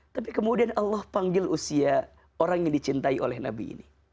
tapi kemudian allah panggil usia orang yang dicintai oleh nabi ini